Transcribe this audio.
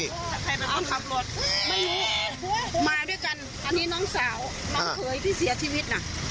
นี่น้องสาวน้องเคยที่เสียชีวิตน่ะ